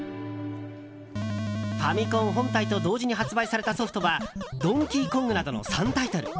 ファミコン本体と同時に発売されたソフトは「ドンキーコング」などの３タイトル。